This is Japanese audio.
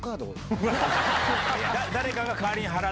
誰かが代わりに払って？